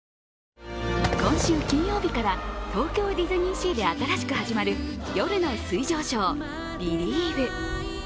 今週金曜日から東京ディズニーシーで新しく始まる夜の水上ショー・ビリーヴ！